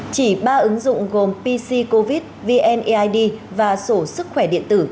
chỉ ba ứng dụng gồm pc covid vneid và sổ sức khỏe điện tử